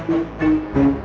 ya pak juna